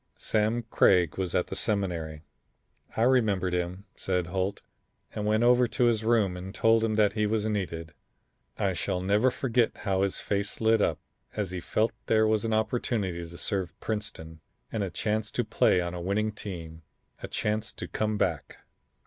Sam Craig was at the Seminary. I remembered him," said Holt, "and went over to his room and told him that he was needed. I shall never forget how his face lit up as he felt there was an opportunity to serve Princeton and a chance to play on a winning team; a chance to come back.